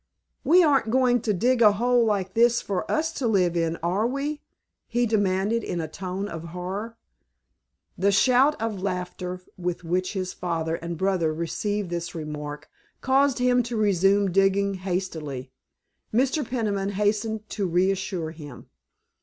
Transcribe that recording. "We aren't going to dig a hole like this for us to live in, are we?" he demanded in a tone of horror. The shout of laughter with which his father and brother received this remark caused him to resume digging hastily. Mr. Peniman hastened to reassure him.